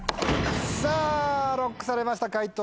さぁＬＯＣＫされました解答。